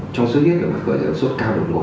trong xuất huyết thì nó khởi đầu sốt cao độ một